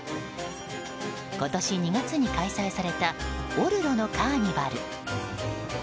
今年２月に開催されたオルロのカーニバル。